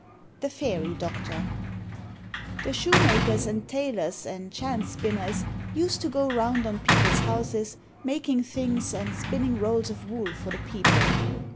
THE FAIRY DOCTOR The shoemakers and tailors and chance spinners used to go round on people's houses, making things and spinning rolls of wool for the people.